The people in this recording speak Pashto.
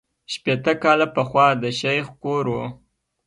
شپېته کاله پخوا د شیخ کور وو.